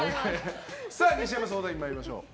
西山相談員、参りましょう。